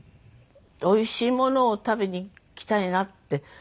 おいしいものを食べに行きたいなって